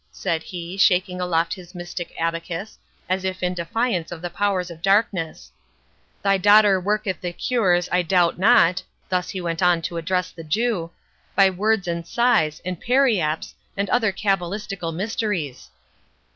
said he, shaking aloft his mystic abacus, as if in defiance of the powers of darkness—"Thy daughter worketh the cures, I doubt not," thus he went on to address the Jew, "by words and sighs, and periapts, and other cabalistical mysteries."